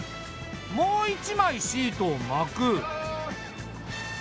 もう一枚シートを巻く。